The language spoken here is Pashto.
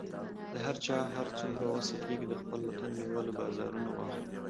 د هر چا هر څومره وسه کیږي، د خپل وطن میوه له بازارونو واخلئ